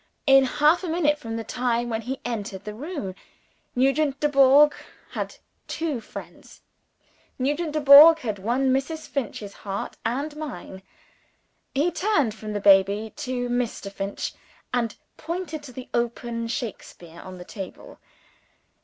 In half a minute from the time when he entered the room, Nugent Dubourg had won Mrs. Finch's heart and mine. He turned from the baby to Mr. Finch, and pointed to the open Shakespeare on the table.